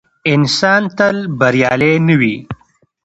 انسان تل بریالی نه وي.